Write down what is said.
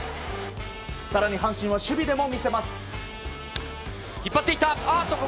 更に阪神は守備でも見せます。